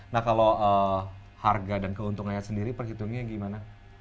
nah kalau harga dan keuntungannya sendiri perhitungnya gimana